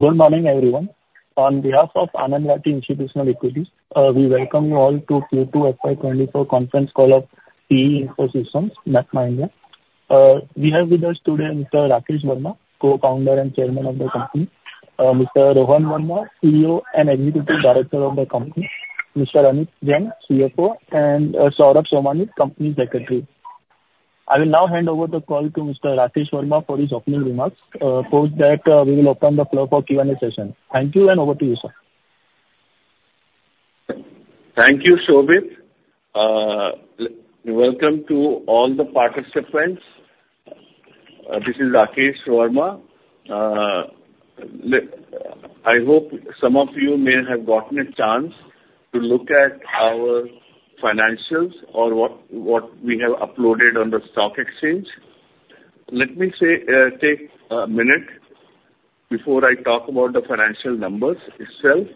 Good morning, everyone. On behalf of Anand Rathi Institutional Equities, we welcome you all to Q2 FY 2024 conference call of CE Info Systems, MapmyIndia. We have with us today Mr. Rakesh Verma, Co-founder and Chairman of the company, Mr. Rohan Verma, CEO and Executive Director of the company, Mr. Anuj Jain, CFO, and Saurabh Somani, Company Secretary. I will now hand over the call to Mr. Rakesh Verma for his opening remarks. Post that, we will open the floor for Q&A session. Thank you, and over to you, sir. Thank you, Shobit. Welcome to all the participants. This is Rakesh Verma. I hope some of you may have gotten a chance to look at our financials or what we have uploaded on the stock exchange. Let me say, take a minute before I talk about the financial numbers itself.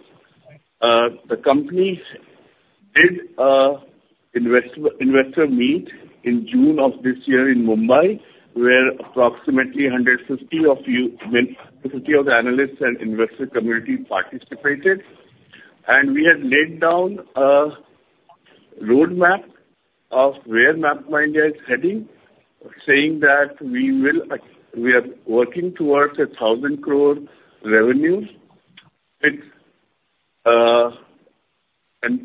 The company did an investor meet in June of this year in Mumbai, where approximately 150 of you, 50 of the analysts and investor community participated. We had laid down a roadmap of where MapmyIndia is heading, saying that we are working towards 1,000 crore revenue with... And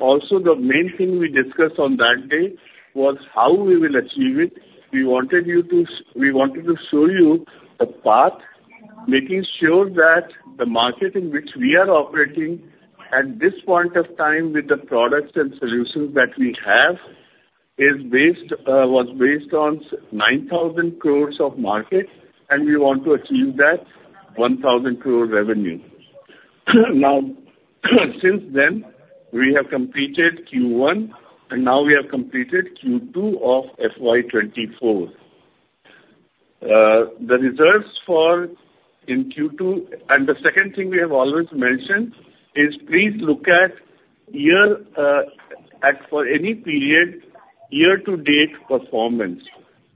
also the main thing we discussed on that day was how we will achieve it. We wanted to show you a path, making sure that the market in which we are operating at this point of time with the products and solutions that we have, is based, was based on 9,000 crore market, and we want to achieve that 1,000 crore revenue. Now, since then, we have completed Q1, and now we have completed Q2 of FY 2024. The results for Q2. The second thing we have always mentioned is please look at year-to-date performance for any period,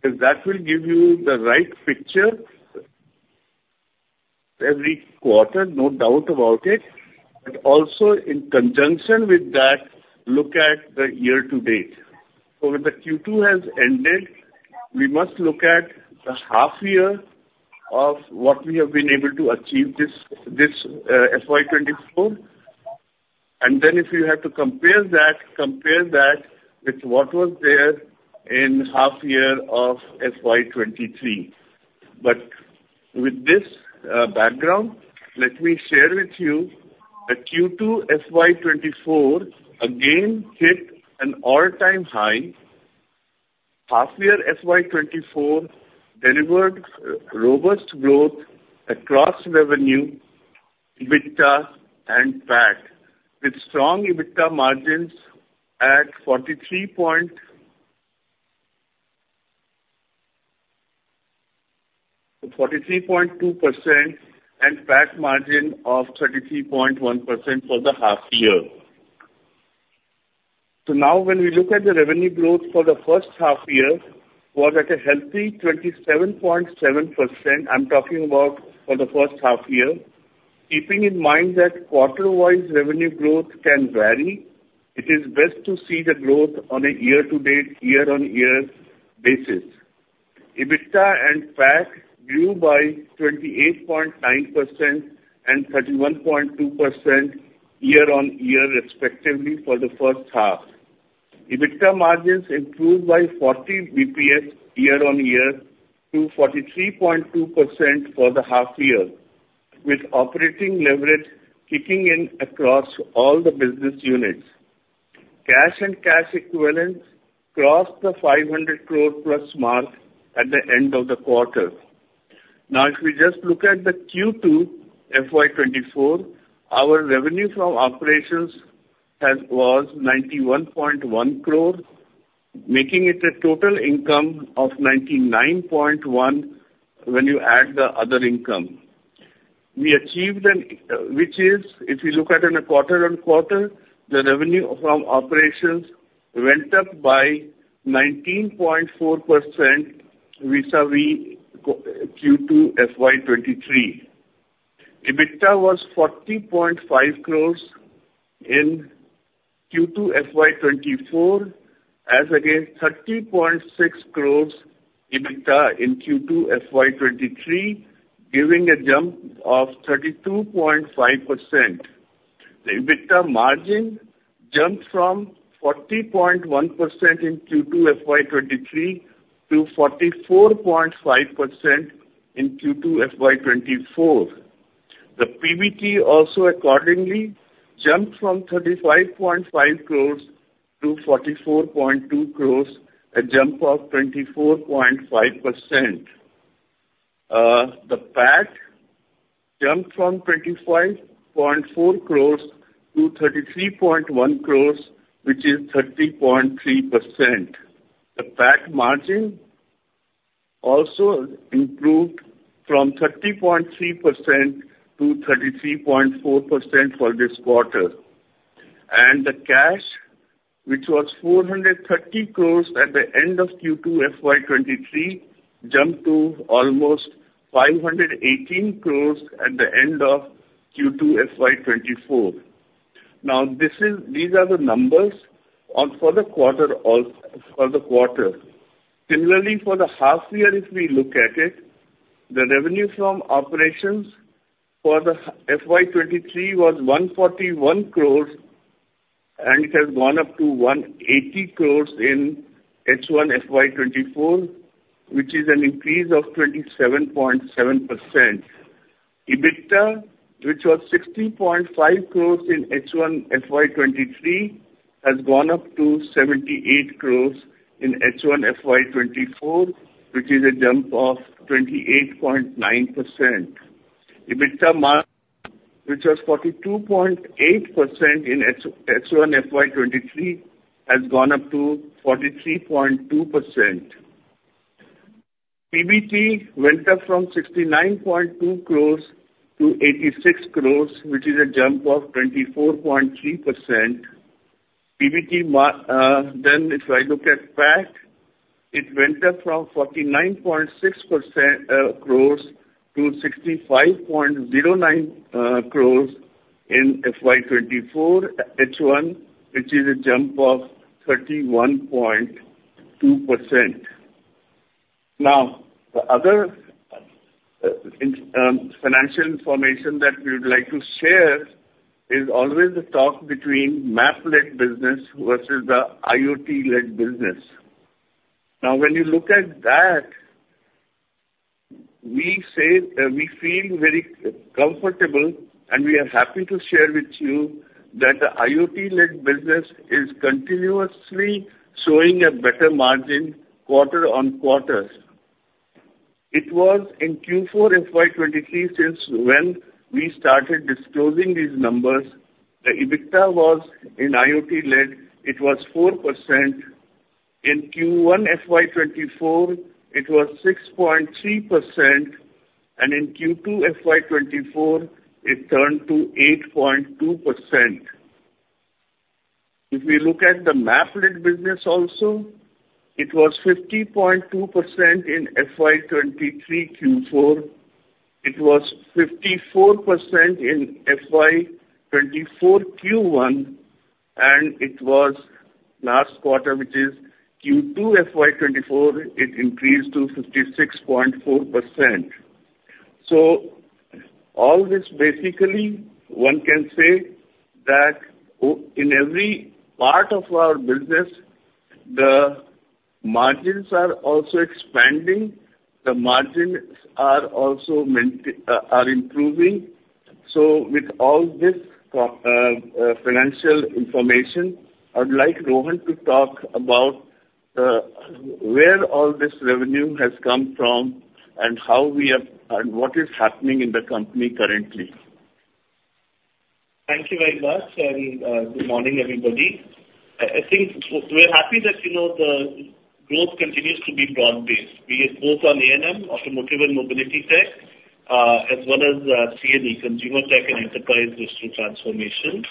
because that will give you the right picture every quarter, no doubt about it, but also in conjunction with that, look at the year to date. So when the Q2 has ended, we must look at the half year of what we have been able to achieve this FY 2024. Then if you have to compare that, compare that with what was there in half year of FY 2023. But with this background, let me share with you that Q2 FY 2024 again hit an all-time high. Half year FY 2024 delivered robust growth across revenue, EBITDA and PAT, with strong EBITDA margins at 43.2% and PAT margin of 33.1% for the half year. So now when we look at the revenue growth for the first half year, was at a healthy 27.7%, I'm talking about for the first half year. Keeping in mind that quarter-wise revenue growth can vary, it is best to see the growth on a year-to-date, year-over-year basis. EBITDA and PAT grew by 28.9% and 31.2% year-over-year, respectively, for the first half. EBITDA margins improved by 40 bps year-on-year to 43.2% for the half year, with operating leverage kicking in across all the business units. Cash and cash equivalents crossed the 500+ crore mark at the end of the quarter. Now, if we just look at the Q2 FY 2024, our revenue from operations was 91.1 crore, making it a total income of 99.1 crore, when you add the other income. We achieved an, which is, if you look at on a quarter-on-quarter, the revenue from operations went up by 19.4% vis-a-vis Q2 FY 2023. EBITDA was INR 40.5 crore in Q2 FY 2024, as against 30.6 crore EBITDA in Q2 FY 2023, giving a jump of 32.5%. The EBITDA margin jumped from 40.1% in Q2 FY 2023 to 44.5% in Q2 FY 2024. The PBT also accordingly jumped from 35.5 crore to 44.2 crore, a jump of 24.5%. The PAT jumped from 25.4 crore to 33.1 crore, which is 30.3%. The PAT margin also improved from 30.3%-33.4% for this quarter... The cash, which was 430 crore at the end of Q2 FY 2023, jumped to almost 518 crore at the end of Q2 FY 2024. Now, this is—these are the numbers on for the quarter, all, for the quarter. Similarly, for the half year, if we look at it, the revenue from operations for the FY 2023 was 141 crore, and it has gone up to 180 crore in H1 FY 2024, which is an increase of 27.7%. EBITDA, which was 60.5 crore in H1 FY 2023, has gone up to 78 crore in H1 FY 2024, which is a jump of 28.9%. EBITDA margin, which was 42.8% in H1 FY 2023, has gone up to 43.2%. PBT went up from 69.2 crore to 86 crore, which is a jump of 24.3%. Then if I look at PAT, it went up from 49.6 crore-65.09 crore in FY 2024 H1, which is a jump of 31.2%. Now, the other financial information that we would like to share is always the talk between Map-led business versus the IoT-led business. Now, when you look at that, we say, we feel very comfortable, and we are happy to share with you that the IoT-led business is continuously showing a better margin quarter on quarters. It was in Q4 FY 2023, since when we started disclosing these numbers, the EBITDA was in IoT-led, it was 4%. In Q1 FY 2024, it was 6.3%, and in Q2 FY 2024, it turned to 8.2%. If we look at the Map-led business also, it was 50.2% in FY 2023 Q4, it was 54% in FY 2024 Q1, and it was last quarter, which is Q2 FY 2024, it increased to 56.4%. So all this, basically, one can say that in every part of our business, the margins are also expanding, the margins are also improving. So with all this financial information, I'd like Rohan to talk about where all this revenue has come from and how we are and what is happening in the company currently. Thank you very much. And, good morning, everybody. I think we're happy that, you know, the growth continues to be broad-based, be it both on A&M, Automotive and Mobility Tech, as well as, C&E, Consumer Tech and Enterprise Digital Transformation.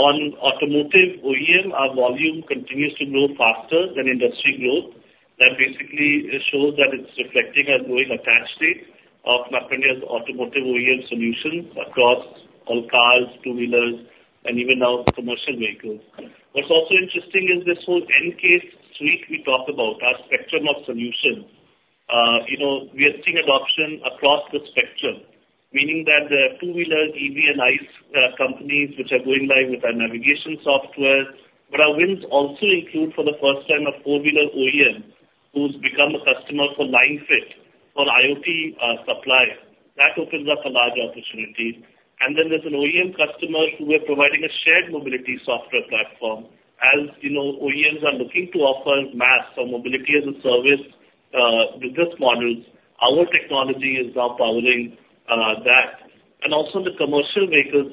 On automotive OEM, our volume continues to grow faster than industry growth. That basically shows that it's reflecting a growing attach rate of MapmyIndia's automotive OEM solution across all cars, two-wheelers, and even now, commercial vehicles. What's also interesting is this whole N-CASE suite we talked about, our spectrum of solutions. You know, we are seeing adoption across the spectrum, meaning that the two-wheeler, EV and ICE, companies, which are going live with our navigation software. But our wins also include, for the first time, a four-wheeler OEM, who's become a customer for line fit for IoT, supplier. That opens up a large opportunity. And then there's an OEM customer who we're providing a shared mobility software platform. As you know, OEMs are looking to offer MaaS or Mobility as a Service, business models. Our technology is now powering that. And also the commercial vehicles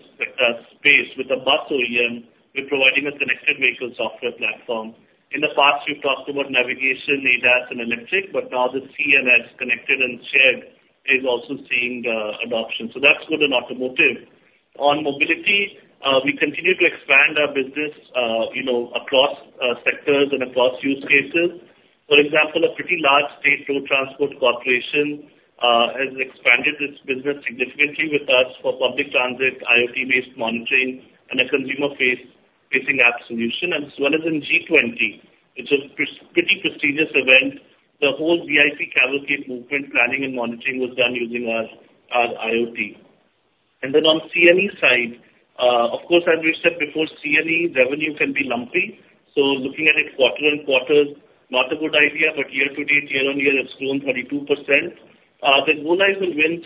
space. With the bus OEM, we're providing a connected vehicle software platform. In the past, we've talked about navigation, ADAS and electric, but now the C&S, connected and shared, is also seeing adoption. So that's good in automotive. On mobility, we continue to expand our business, you know, across sectors and across use cases. For example, a pretty large state road transport corporation has expanded its business significantly with us for public transit, IoT-based monitoring, and a consumer-facing app solution, as well as in G20. It's a pretty prestigious event. The whole VIP cavalcade movement planning and monitoring was done using our, our IoT. Then on C&E side, of course, as we said before, C&E revenue can be lumpy, so looking at it quarter-on-quarter, not a good idea, but year to date, year-on-year, it's grown 32%. The wins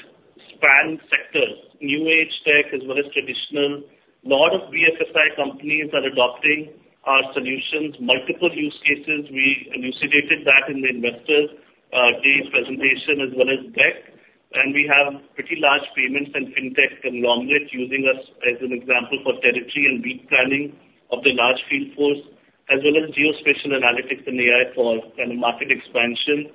span sectors, new age tech as well as traditional. Lot of BFSI companies are adopting our solutions, multiple use cases. We elucidated that in the investors' day's presentation as well as deck. We have pretty large payments and Fintech conglomerate using us as an example for territory and beat planning of the large field force.... as well as geospatial analytics and AI for kind of market expansion.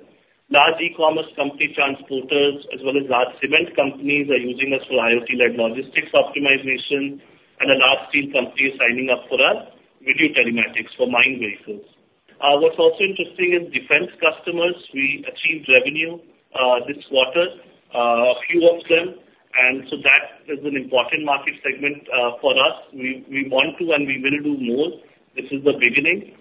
Large e-commerce company transporters as well as large cement companies are using us for IoT-led logistics optimization, and a large steel company is signing up for our video telematics for mine vehicles. What's also interesting is defense customers. We achieved revenue this quarter, a few of them, and so that is an important market segment for us. We want to and we will do more. This is the beginning.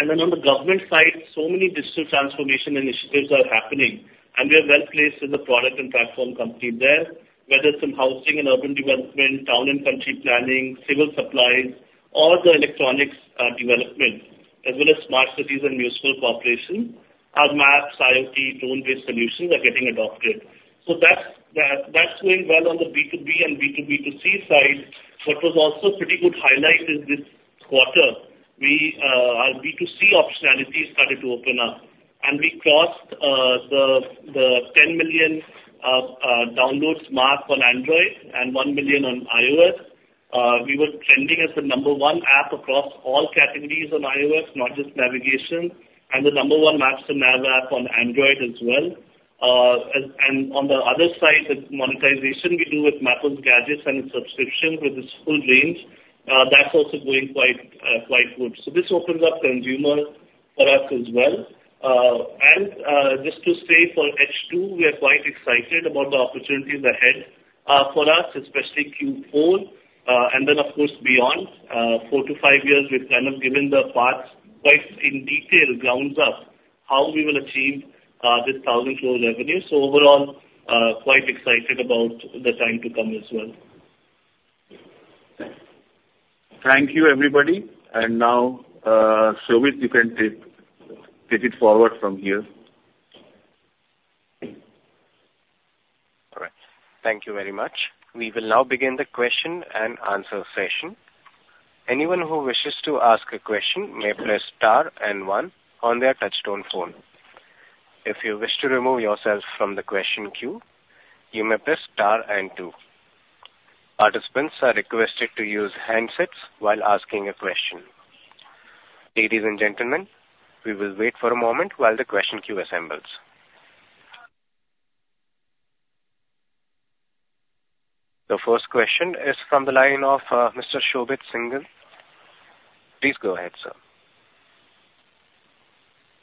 And then on the government side, so many digital transformation initiatives are happening, and we are well placed as a product and platform company there, whether it's in housing and urban development, town and country planning, civil supplies, or the electronics development, as well as smart cities and municipal corporation. Our maps, IoT, drone-based solutions are getting adopted. So that's going well on the B2B and B2B2C side. What was also a pretty good highlight is this quarter, we, our B2C optionality started to open up, and we crossed the 10 million download mark on Android and 1 million on iOS. We were trending as the number one app across all categories on iOS, not just navigation, and the number one maps and nav app on Android as well. And on the other side, the monetization we do with Map-led Gadgets and subscription with its full range, that's also going quite good. So this opens up consumer for us as well. And just to say for H2, we are quite excited about the opportunities ahead, for us, especially Q4. And then, of course, beyond four to five years, we've kind of given the parts quite in detail, grounds up, how we will achieve this 1,000 crore revenue. So overall, quite excited about the time to come as well. Thank you, everybody. And now, Shobit, you can take it forward from here. All right. Thank you very much. We will now begin the question and answer session. Anyone who wishes to ask a question may press star and one on their touchtone phone. If you wish to remove yourself from the question queue, you may press star and two. Participants are requested to use handsets while asking a question. Ladies and gentlemen, we will wait for a moment while the question queue assembles. The first question is from the line of Mr. Shobit Singhal. Please go ahead, sir.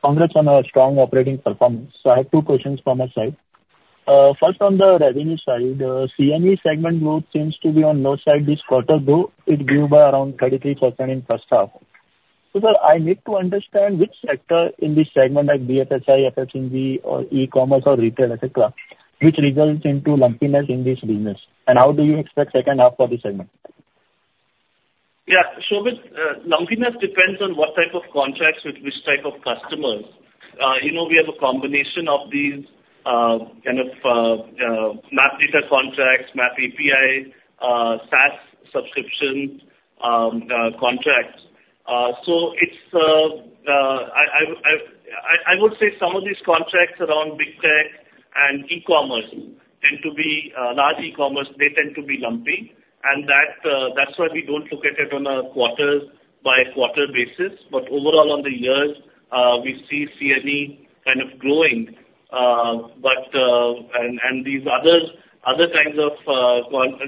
Congrats on a strong operating performance. So I have two questions from my side. First, on the revenue side, C&E segment growth seems to be on low side this quarter, though it grew by around 33% in first half. So sir, I need to understand which sector in this segment, like BFSI, FMCG or e-commerce or retail, et cetera, which results into lumpiness in this business, and how do you expect second half for this segment? Yeah. Shobit, lumpiness depends on what type of contracts with which type of customers. You know, we have a combination of these kind of map data contracts, map API, SaaS subscription contracts. So it's I would say some of these contracts around big tech and e-commerce tend to be large e-commerce, they tend to be lumpy, and that's why we don't look at it on a quarter-by-quarter basis. But overall, on the years, we see C&E kind of growing. But and these others, other kinds of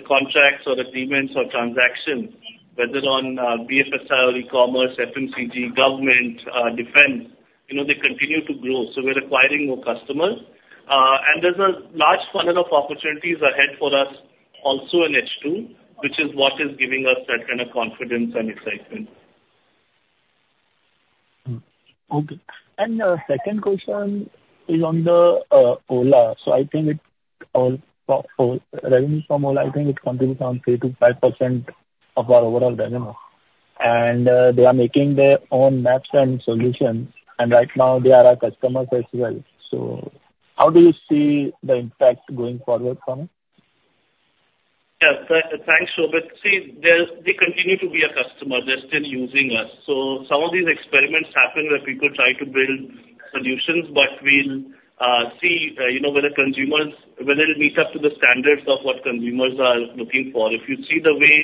contracts or agreements or transactions, whether on BFSI or e-commerce, FMCG, government, defense, you know, they continue to grow. So we're acquiring more customers. There's a large funnel of opportunities ahead for us also in H2, which is what is giving us that kind of confidence and excitement. Hmm. Okay. And, second question is on the Ola. So I think it's for revenue from Ola, I think it contributes around 3%-5% of our overall revenue. And, they are making their own maps and solutions, and right now they are our customers as well. So how do you see the impact going forward from it? Yeah. Thanks, Shobit. See, they're, they continue to be a customer. They're still using us. So some of these experiments happen where people try to build solutions, but we'll see, you know, whether consumers, whether it'll meet up to the standards of what consumers are looking for. If you see the way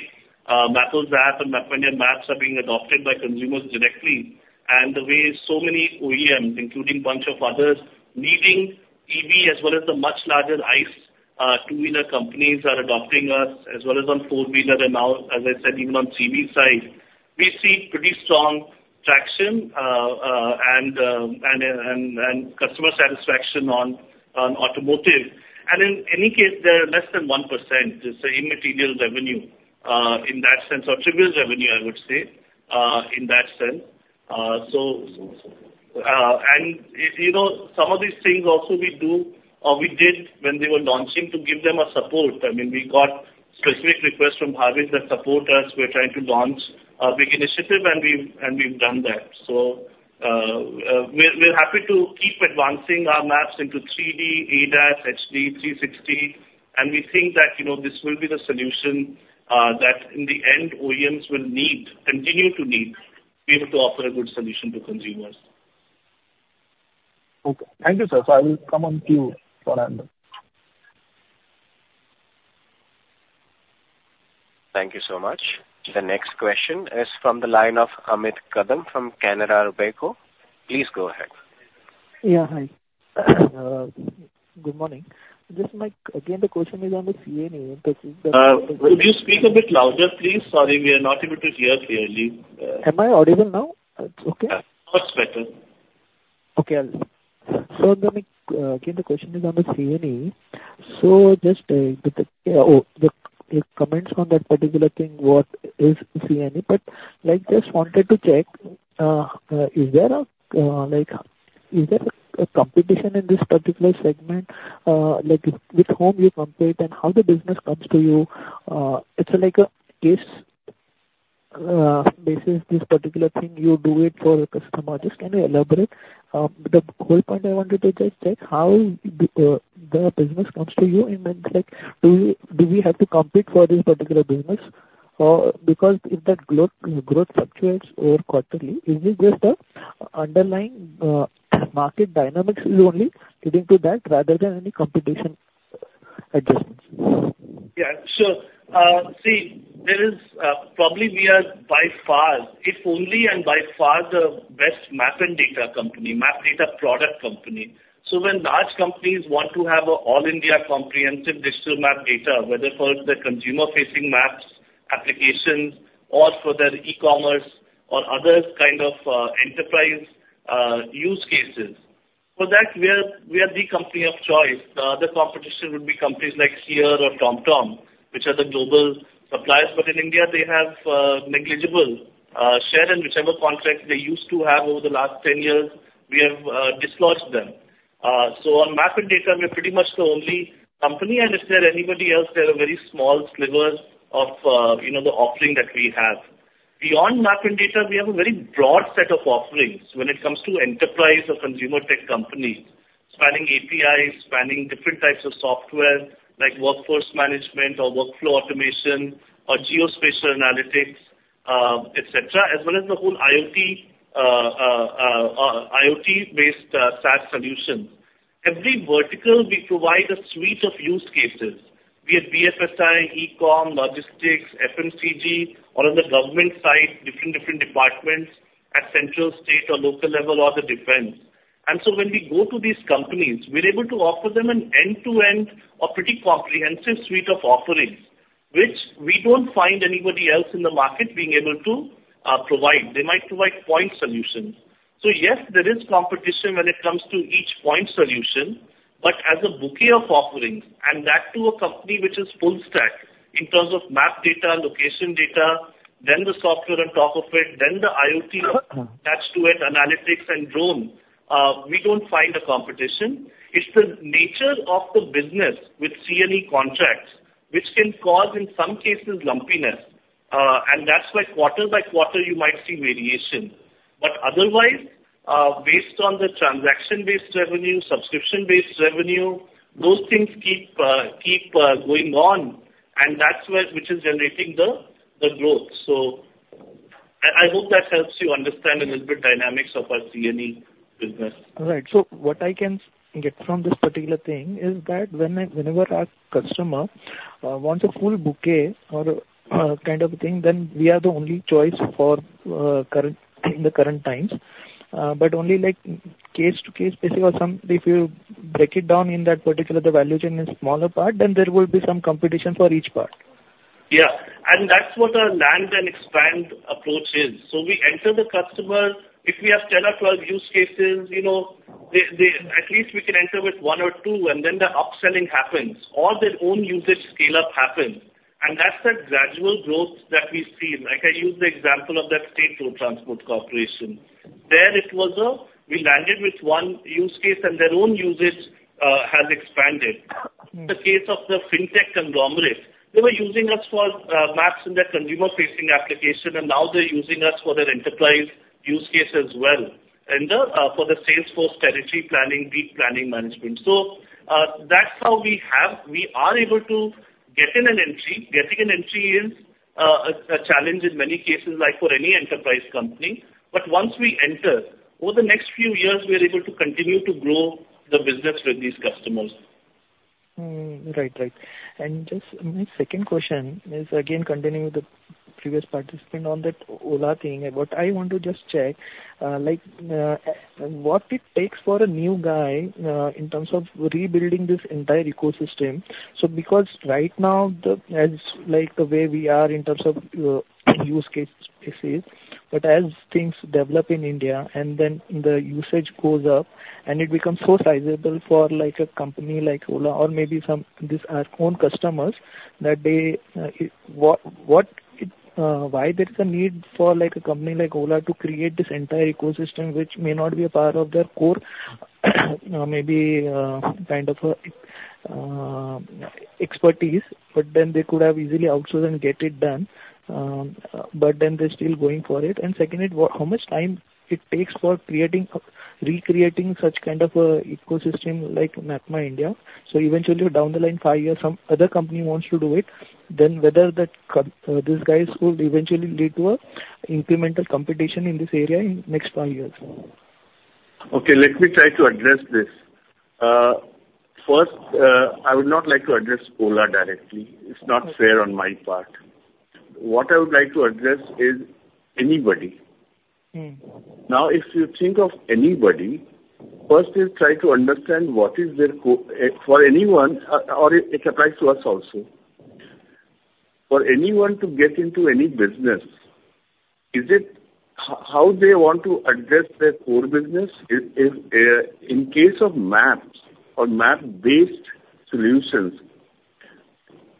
Map-led app and MapmyIndia maps are being adopted by consumers directly, and the way so many OEMs, including a bunch of others, leading EV, as well as the much larger ICE two-wheeler companies are adopting us, as well as on four-wheeler and now, as I said, even on CV side, we see pretty strong traction and customer satisfaction on automotive. And in any case, they are less than 1%. It's an immaterial revenue, in that sense, or trivial revenue, I would say, in that sense. So, and, you know, some of these things also we do or we did when they were launching to give them a support. I mean, we got specific requests from Bhavish that: "Support us, we're trying to launch a big initiative," and we've, and we've done that. So, we're, we're happy to keep advancing our maps into 3D, ADAS, HD, 360, and we think that, you know, this will be the solution, that in the end OEMs will need, continue to need be able to offer a good solution to consumers. Okay. Thank you, sir. So I will come on queue for another. Thank you so much. The next question is from the line of Amit Kadam from Canara Robeco. Please go ahead. Yeah, hi. Good morning. Just my, again, the question is on the C&E- Could you speak a bit louder, please? Sorry, we are not able to hear clearly. Am I audible now? It's okay. Much better. Okay. So then, again, the question is on the C&E. So just, with the, with comments on that particular thing, what is C&E? But, like, just wanted to check, is there a, like, is there a competition in this particular segment? Like, with, with whom you compete and how the business comes to you? It's like a case, basis, this particular thing you do it for the customer. Just can you elaborate? The whole point I wanted to just check how the, the business comes to you, and then, like, do you - do we have to compete for this particular business? Or because if that growth, growth fluctuates over quarterly, is it just the underlying, market dynamics is only leading to that rather than any competition adjustments? Yeah, sure. See, there is probably we are by far, if only and by far, the best map and data company, map data product company. So when large companies want to have a all India comprehensive digital map data, whether for the consumer-facing maps, applications, or for their e-commerce or other kind of enterprise use cases, for that we are, we are the company of choice. The other competition would be companies like Here or TomTom, which are the global suppliers, but in India, they have negligible share in whichever contract they used to have over the last 10 years, we have dislodged them. So on map and data, we're pretty much the only company, and if there are anybody else, they're a very small sliver of you know the offering that we have. Beyond map and data, we have a very broad set of offerings when it comes to enterprise or consumer tech companies, spanning APIs, spanning different types of software, like workforce management or workflow automation or geospatial analytics, et cetera, as well as the whole IoT, IoT-based, SaaS solution. Every vertical, we provide a suite of use cases. Be it BFSI, e-com, logistics, FMCG, or on the government side, different, different departments at central, state or local level, or the defense. And so when we go to these companies, we're able to offer them an end-to-end or pretty comprehensive suite of offerings, which we don't find anybody else in the market being able to, provide. They might provide point solutions. So yes, there is competition when it comes to each point solution, but as a bouquet of offerings, and that to a company which is full stack in terms of map data, location data, then the software on top of it, then the IoT attached to it, analytics and drone, we don't find a competition. It's the nature of the business with C&E contracts, which can cause, in some cases, lumpiness. And that's like quarter by quarter, you might see variation. But otherwise, based on the transaction-based revenue, subscription-based revenue, those things keep going on, and that's where, which is generating the growth. So I, I hope that helps you understand a little bit dynamics of our C&E business. All right. So what I can get from this particular thing is that when, whenever our customer wants a full bouquet or kind of a thing, then we are the only choice for current, in the current times. But only like case to case basis or some if you break it down in that particular, the value chain is smaller part, then there will be some competition for each part. Yeah, and that's what our land and expand approach is. So we enter the customer. If we have 10 or 12 use cases, you know, they... At least we can enter with one or two, and then the upselling happens, or their own usage scale-up happens. And that's the gradual growth that we see. Like, I use the example of that state road transport corporation. There it was, we landed with one use case, and their own usage has expanded. The case of the fintech conglomerate, they were using us for maps in their consumer-facing application, and now they're using us for their enterprise use case as well, and for the Salesforce Territory Planning, beat planning management. So, that's how we are able to get in an entry. Getting an entry is a challenge in many cases, like for any enterprise company. But once we enter, over the next few years, we are able to continue to grow the business with these customers. Right. Right. And just my second question is, again, continuing with the previous participant on that Ola thing. What I want to just check, like, what it takes for a new guy, in terms of rebuilding this entire ecosystem. So because right now, like, the way we are in terms of use case spaces, but as things develop in India, and then the usage goes up, and it becomes so sizable for, like, a company like Ola or maybe some this our own customers, that they why there is a need for, like, a company like Ola to create this entire ecosystem, which may not be a part of their core, maybe kind of expertise, but then they could have easily outsourced and get it done, but then they're still going for it. And second, how much time it takes for creating, recreating such kind of a ecosystem like MapmyIndia? So eventually, down the line, five years, some other company wants to do it, then whether that these guys could eventually lead to a incremental competition in this area in next five years? Okay, let me try to address this. First, I would not like to address Ola directly. It's not fair on my part. What I would like to address is anybody. Mm. Now, if you think of anybody, first you try to understand what is their goal, for anyone, or it, it applies to us also. For anyone to get into any business, is it how they want to address their core business? Is, in case of maps or map-based solutions,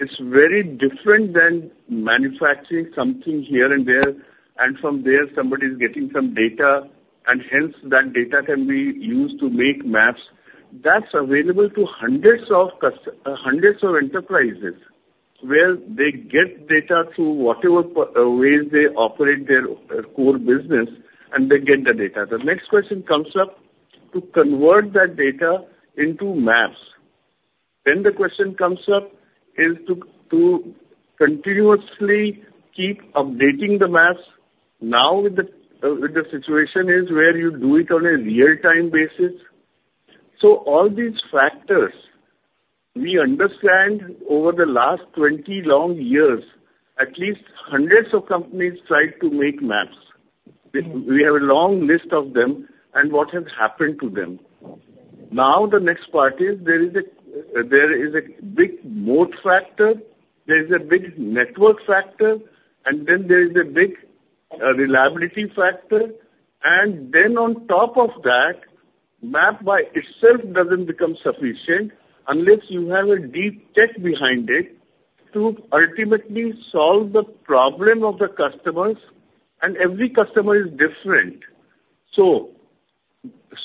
it's very different than manufacturing something here and there, and from there somebody is getting some data, and hence that data can be used to make maps. That's available to hundreds of enterprises, where they get data through whatever ways they operate their core business, and they get the data. The next question comes up, to convert that data into maps. Then the question comes up, to continuously keep updating the maps. Now, the situation is where you do it on a real-time basis. So all these factors, we understand over the last 20 long years, at least hundreds of companies tried to make maps. Mm. We, we have a long list of them and what has happened to them. Now, the next part is there is a, there is a big moat factor, there is a big network factor, and then there is a big, reliability factor. And then on top of that, map by itself doesn't become sufficient unless you have a deep tech behind it to ultimately solve the problem of the customers, and every customer is different. So,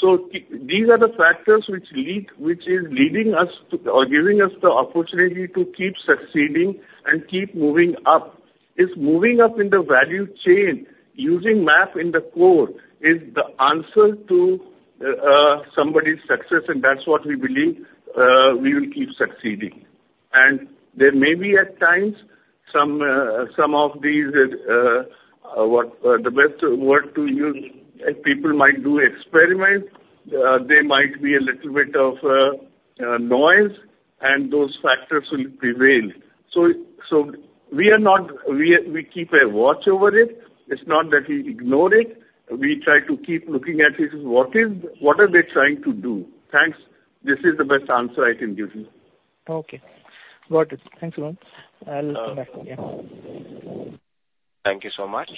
so these are the factors which lead, which is leading us to, or giving us the opportunity to keep succeeding and keep moving up. Is moving up in the value chain using map in the core, is the answer to, somebody's success, and that's what we believe, we will keep succeeding. There may be, at times, some of these, the best word to use, people might do experiments. There might be a little bit of noise, and those factors will prevail. So, we are not. We keep a watch over it. It's not that we ignore it. We try to keep looking at it, what they are trying to do. Thanks. This is the best answer I can give you. Okay. Got it. Thanks a lot. I'll come back again. Thank you so much.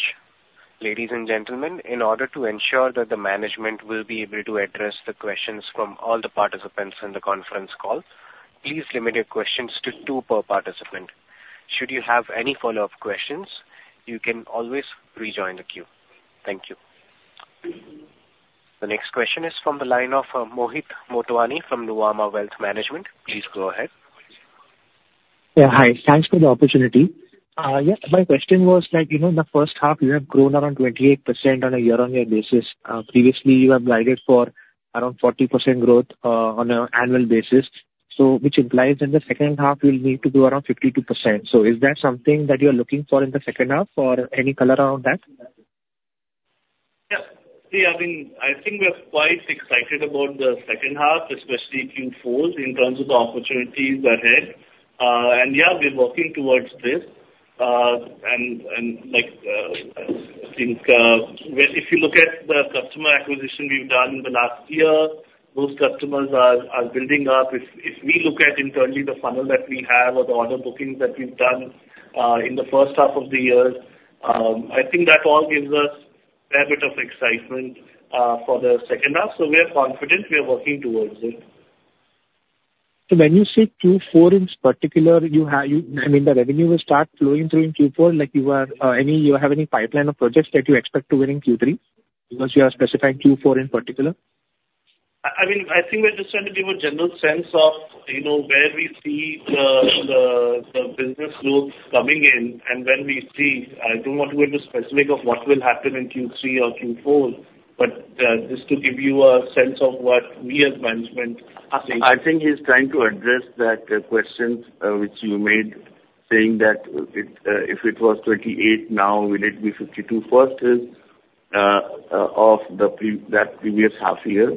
Ladies and gentlemen, in order to ensure that the management will be able to address the questions from all the participants in the conference call, please limit your questions to two per participant. Should you have any follow-up questions, you can always rejoin the queue. Thank you. The next question is from the line of Mohit Motwani from Nuvama Wealth Management. Please go ahead. Yeah, hi. Thanks for the opportunity. Yeah, my question was like, you know, in the first half, you have grown around 28% on a year-on-year basis. Previously, you have guided for around 40% growth on an annual basis, so which implies in the second half, you'll need to do around 52%. So is that something that you are looking for in the second half, or any color around that? Yeah. See, I mean, I think we're quite excited about the second half, especially Q4, in terms of the opportunities ahead. And yeah, we're working towards this. And like, I think, if you look at the customer acquisition we've done in the last year, those customers are building up. If we look at internally the funnel that we have or the order bookings that we've done, in the first half of the year, I think that all gives us a fair bit of excitement, for the second half. So we are confident, we are working towards it. So when you say Q4 in particular, you have, I mean, the revenue will start flowing through in Q4, like you are, any, you have any pipeline of projects that you expect to win in Q3? Because you have specified Q4 in particular. I mean, I think we're just trying to give a general sense of, you know, where we see the business loads coming in and when we see. I don't want to go into specifics of what will happen in Q3 or Q4, but just to give you a sense of what we as management are saying. I think he's trying to address that question which you made, saying that it if it was 28, now will it be 52? First is of the pre- that previous half year.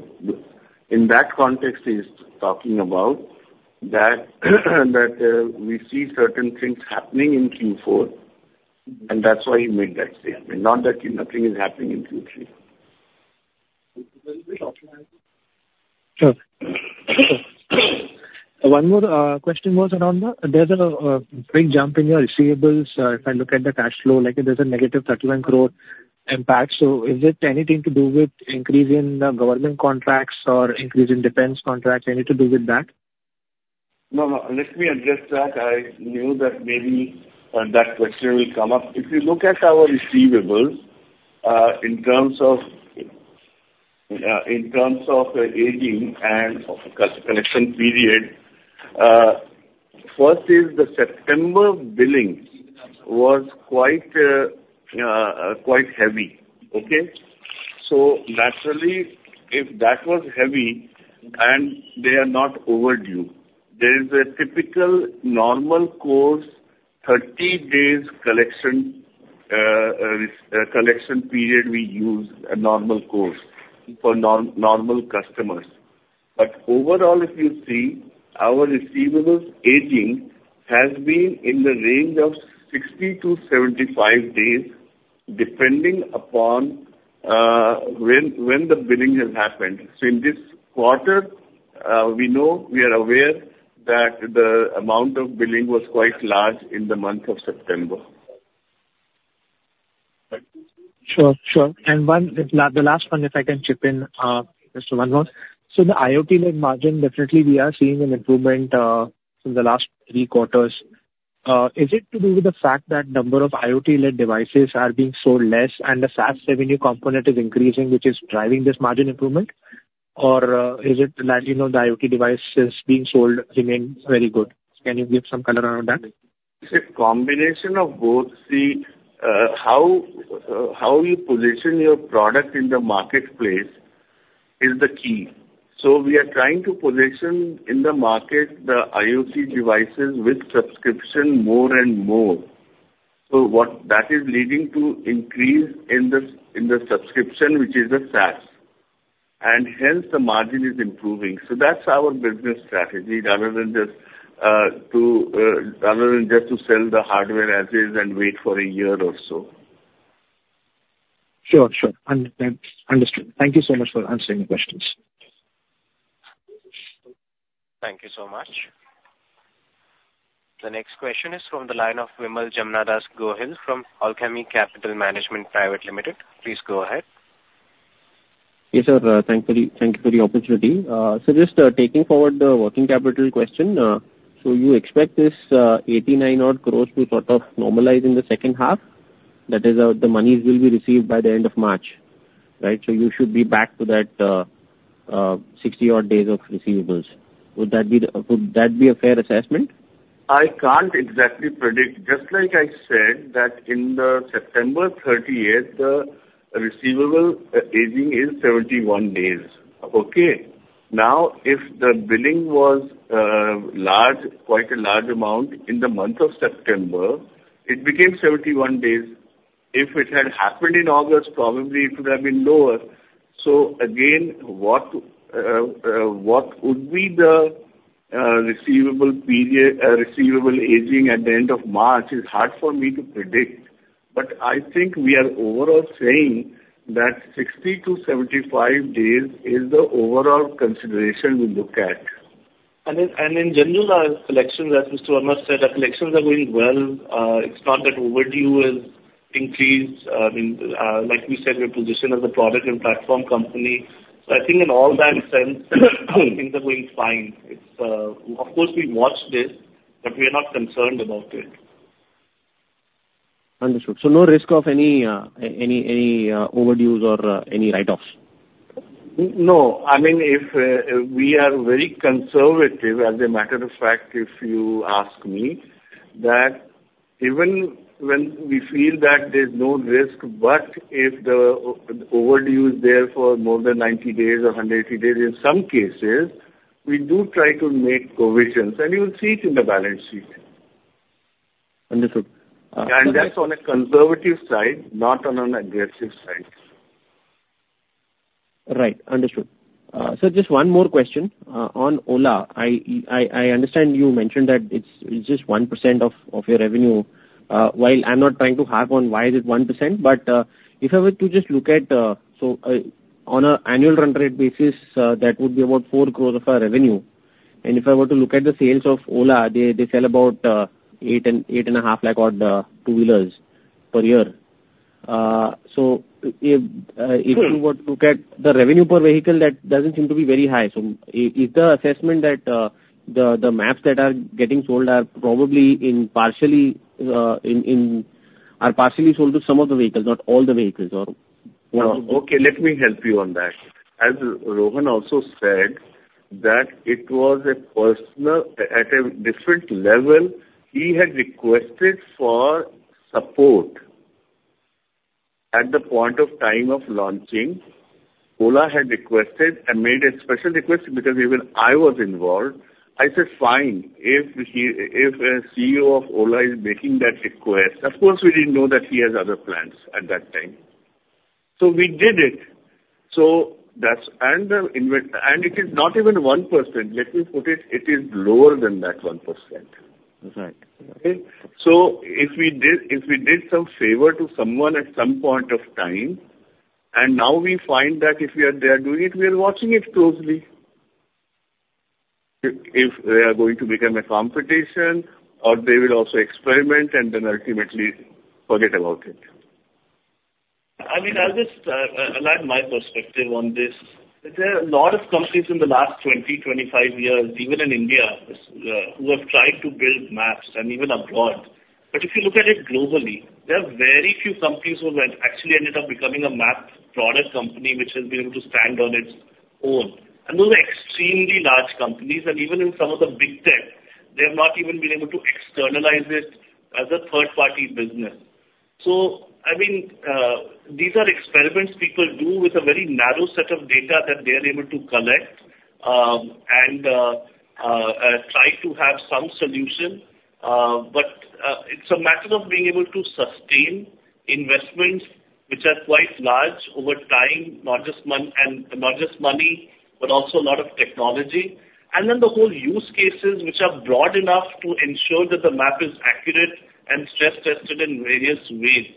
In that context, he's talking about that that we see certain things happening in Q4, and that's why he made that statement. Not that nothing is happening in Q3. Sure. One more question was around the... There's a big jump in your receivables. If I look at the cash flow, like there's a negative settlement growth impact. So is it anything to do with increase in government contracts or increase in defense contracts, anything to do with that? No, no. Let me address that. I knew that maybe that question will come up. If you look at our receivables in terms of aging and of course collection period, first is the September billing was quite heavy. Okay? So naturally, if that was heavy and they are not overdue, there is a typical normal course 30 days collection period. We use a normal course for normal customers. But overall, if you see, our receivables aging has been in the range of 60-75 days, depending upon when the billing has happened. So in this quarter, we know we are aware that the amount of billing was quite large in the month of September. Right? Sure, sure. And the last one, if I can chip in, Mr. Manohar. So the IoT led margin, definitely we are seeing an improvement in the last three quarters. Is it to do with the fact that number of IoT led devices are being sold less and the SaaS revenue component is increasing, which is driving this margin improvement? Or, is it that, you know, the IoT devices being sold remain very good? Can you give some color on that? It's a combination of both. The how you position your product in the marketplace is the key. So we are trying to position in the market the IoT devices with subscription more and more. So what that is leading to increase in the subscription, which is the SaaS, and hence the margin is improving. So that's our business strategy, rather than just to sell the hardware as is and wait for a year or so. Sure, sure. Understood. Thank you so much for answering the questions. Thank you so much. The next question is from the line of Vimal Gohil from Alchemy Capital Management Private Limited. Please go ahead. Yes, sir, thank you for the opportunity. So just taking forward the working capital question, so you expect this 89 odd crore to sort of normalize in the second half? That is, the monies will be received by the end of March, right? So you should be back to that 60-odd days of receivables. Would that be the... Would that be a fair assessment? I can't exactly predict. Just like I said, that in the September 30th, the receivable aging is 71 days. Okay? Now, if the billing was large, quite a large amount in the month of September, it became 71 days. If it had happened in August, probably it would have been lower. So again, what would be the receivable period, receivable aging at the end of March is hard for me to predict. But I think we are overall saying that 60-75 days is the overall consideration we look at. In general, our collections, as Mr. Manohar said, are going well. It's not that overdue has increased. I mean, like we said, we position as a product and platform company. So I think in all that sense, things are going fine. Of course, we watch this, but we are not concerned about it. Understood. So no risk of any, any, any, overdues or any write-offs? No, I mean, if we are very conservative, as a matter of fact, if you ask me, that even when we feel that there's no risk, but if the overdue is there for more than 90 days or 108 days, in some cases, we do try to make provisions, and you will see it in the balance sheet. Understood. Uh- That's on a conservative side, not on an aggressive side. Right. Understood. So just one more question on Ola. I understand you mentioned that it's just 1% of your revenue. While I'm not trying to harp on why is it 1%, but if I were to just look at... So on an annual run rate basis, that would be about 4 crore of our revenue. And if I were to look at the sales of Ola, they sell about 850,000-odd two-wheelers per year. So if you were to look at the revenue per vehicle, that doesn't seem to be very high. Is the assessment that the maps that are getting sold are probably partially sold to some of the vehicles, not all the vehicles or what? Okay, let me help you on that. As Rohan also said, that it was a personal... At a different level, he had requested for support. At the point of time of launching, Ola had requested and made a special request because even I was involved. I said, "Fine, if he, if a CEO of Ola is making that request," of course, we didn't know that he has other plans at that time. So that's... And the investment- and it is not even 1%. Let me put it, it is lower than that 1%. Right. Okay? So if we did, if we did some favor to someone at some point of time, and now we find that if we are there doing it, we are watching it closely. If, if they are going to become a competition or they will also experiment and then ultimately forget about it. I mean, I'll just align my perspective on this. There are a lot of companies in the last 20-25 years, even in India, who have tried to build maps and even abroad. But if you look at it globally, there are very few companies who have actually ended up becoming a map product company, which has been able to stand on its own. And those are extremely large companies, and even in some of the big tech, they have not even been able to externalize it as a third-party business. So I mean, these are experiments people do with a very narrow set of data that they are able to collect... to have some solution, but it's a matter of being able to sustain investments which are quite large over time, not just money, but also a lot of technology. And then the whole use cases, which are broad enough to ensure that the map is accurate and stress tested in various ways.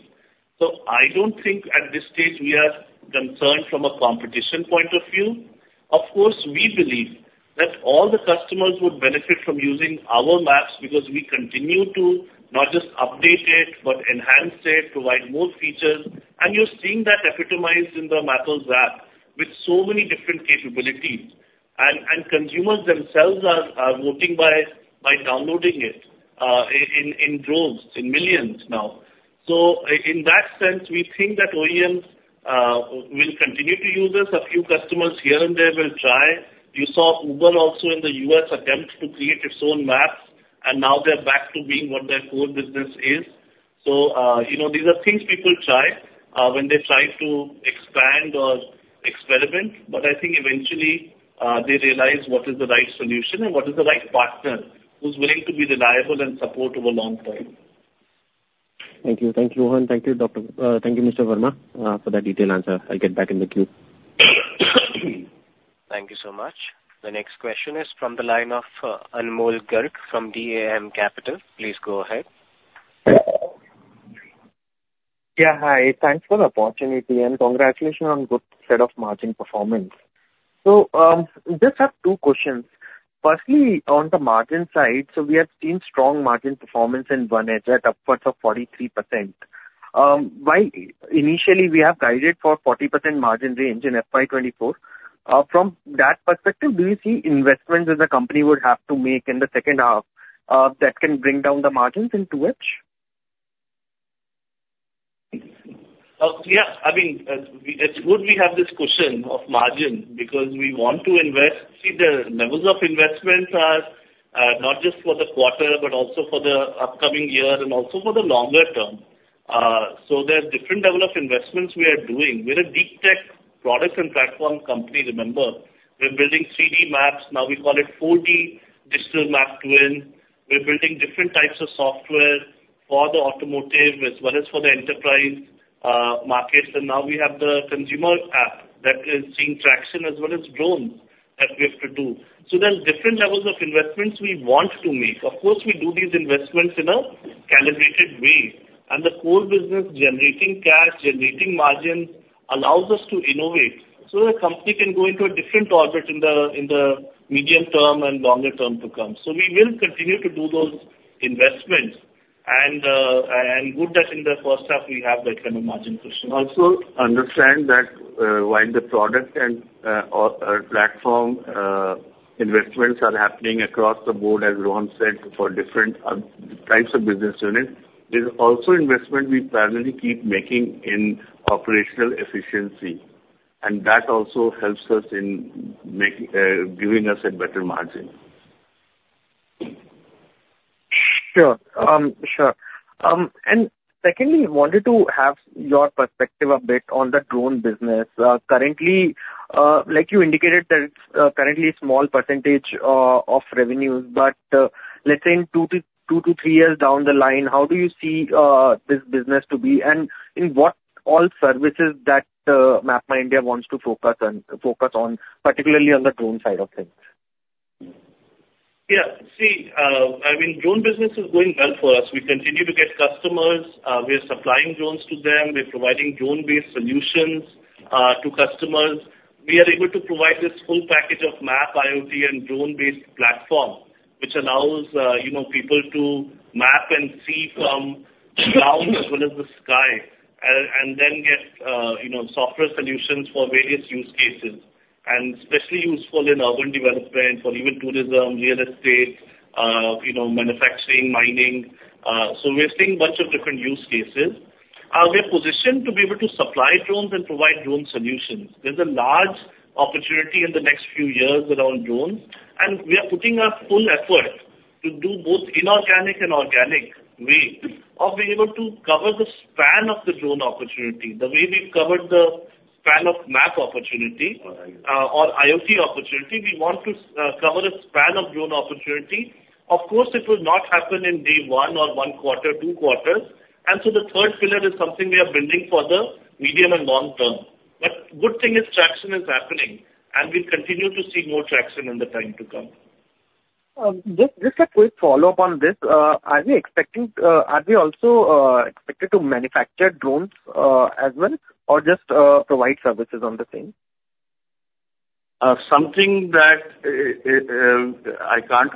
So I don't think at this stage we are concerned from a competition point of view. Of course, we believe that all the customers would benefit from using our maps because we continue to not just update it, but enhance it, provide more features, and you're seeing that epitomized in the Map-led app with so many different capabilities. And consumers themselves are voting by downloading it in droves, in millions now. So in that sense, we think that OEMs will continue to use us. A few customers here and there will try. You saw Uber also in the U.S. attempt to create its own maps, and now they're back to being what their core business is. So, you know, these are things people try when they try to expand or experiment, but I think eventually they realize what is the right solution and what is the right partner who's willing to be reliable and support over long term. Thank you. Thank you, Rohan. Thank you, doctor-- Thank you, Mr. Verma, for that detailed answer. I'll get back in the queue. Thank you so much. The next question is from the line of Anmol Garg from DAM Capital. Please go ahead. Yeah, hi. Thanks for the opportunity, and congratulations on good set of margin performance. So, just have two questions. Firstly, on the margin side, so we have seen strong margin performance in VANEDGE at upwards of 43%. While initially we have guided for 40% margin range in FY 2024, from that perspective, do you see investments that the company would have to make in the second half, that can bring down the margins in too much? Yeah, I mean, it's good we have this question of margin because we want to invest. See, the levels of investments are not just for the quarter, but also for the upcoming year and also for the longer term. So there are different level of investments we are doing. We're a deep tech product and platform company, remember. We're building 3D maps, now we call it 4D Digital Map Twin. We're building different types of software for the automotive as well as for the enterprise markets. And now we have the consumer app that is seeing traction as well as drones that we have to do. So there's different levels of investments we want to make. Of course, we do these investments in a calibrated way, and the core business, generating cash, generating margin, allows us to innovate so the company can go into a different orbit in the medium term and longer term to come. So we will continue to do those investments. And good that in the first half we have that kind of margin question. Also, understand that while the product or platform investments are happening across the board, as Rohan said, for different types of business units, there's also investment we primarily keep making in operational efficiency, and that also helps us in make, giving us a better margin. Sure. Sure. And secondly, I wanted to have your perspective a bit on the drone business. Currently, like you indicated, that it's currently a small percentage of revenues, but let's say in two to three years down the line, how do you see this business to be, and in what all services that MapmyIndia wants to focus on, particularly on the drone side of things? Yeah. See, I mean, drone business is going well for us. We continue to get customers. We are supplying drones to them. We're providing drone-based solutions to customers. We are able to provide this full package of map, IoT, and drone-based platform, which allows, you know, people to map and see from ground as well as the sky, and then get, you know, software solutions for various use cases, and especially useful in urban development, for even tourism, real estate, you know, manufacturing, mining. So we're seeing a bunch of different use cases. We are positioned to be able to supply drones and provide drone solutions. There's a large opportunity in the next few years around drones, and we are putting our full effort to do both inorganic and organic way of being able to cover the span of the drone opportunity. The way we've covered the span of map opportunity- Or IoT. or IoT opportunity, we want to cover a span of drone opportunity. Of course, it will not happen in day one or one quarter, two quarters, and so the third pillar is something we are building for the medium and long term. But good thing is traction is happening, and we continue to see more traction in the time to come. Just a quick follow-up on this. Are we expecting... Are we also expected to manufacture drones, as well, or just provide services on the same? Something that, I can't,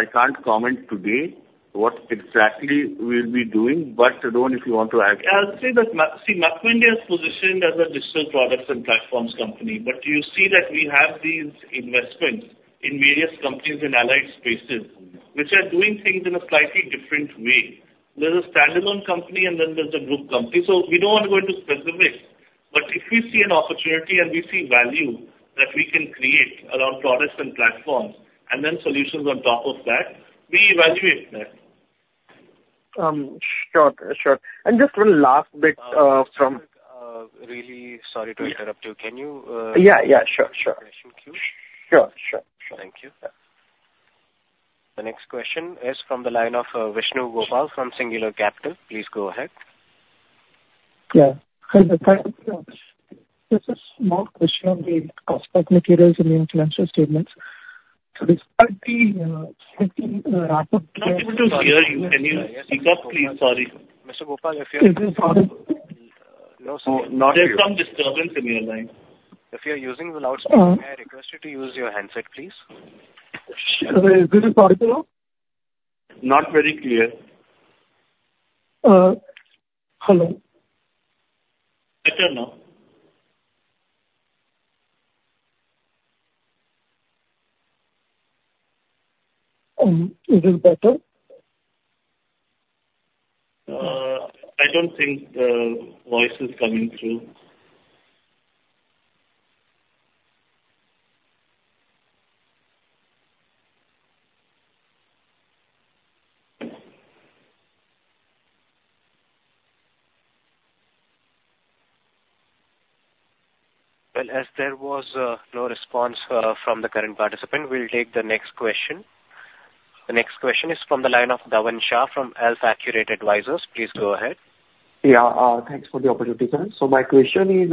I can't comment today, what exactly we'll be doing, but Rohan, if you want to add. I'll say that MapmyIndia is positioned as a digital products and platforms company, but you see that we have these investments in various companies in allied spaces, which are doing things in a slightly different way. There's a standalone company, and then there's a group company, so we don't want to go into specifics. But if we see an opportunity and we see value that we can create around products and platforms, and then solutions on top of that, we evaluate that.... Sure, sure. And just one last bit, from- really sorry to interrupt you. Can you Yeah, yeah, sure, sure. Question queue? Sure, sure, sure. Thank you. The next question is from the line of Vishnu Gopal from Singular Capital. Please go ahead. Yeah. Hi, sir. This is more question on the cost of materials in your financial statements. So despite the rapid- We cannot hear you. Can you speak up, please? Sorry. Mr. Gopal, if you There's some disturbance in your line. If you're using the loudspeaker, may I request you to use your handset, please? Sure. Is it better now? Not very clear. Uh, hello. Better now. Is it better? I don't think the voice is coming through. Well, as there was no response from the current participant, we'll take the next question. The next question is from the line of Dhavan Shah from AlfAccurate Advisors. Please go ahead. Yeah. Thanks for the opportunity, sir. My question is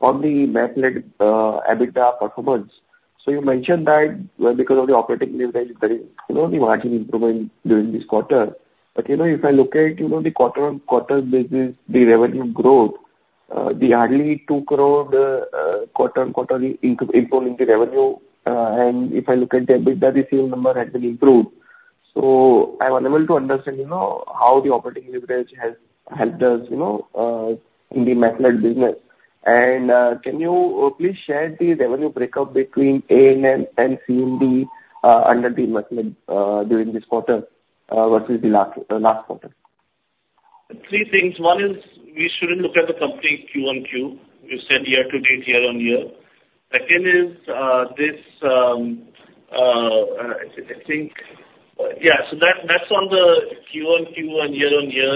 on the Map-led EBITDA performance. You mentioned that well, because of the operating leverage, very, you know, the margin improvement during this quarter. But, you know, if I look at, you know, the quarter-on-quarter basis, the revenue growth, the hardly 2 crore quarter-on-quarter improvement in the revenue. And if I look at the EBITDA, the same number has been improved. I'm unable to understand, you know, how the operating leverage has helped us, you know, in the Map-led business. And can you please share the revenue breakup between A&M and C&E under the Map-led during this quarter versus the last quarter? Three things. One is, we shouldn't look at the company Q-on-Q. We've said year-to-date, year-on-year. Second is, this, I think. Yeah, so that's on the Q-on-Q and year-on-year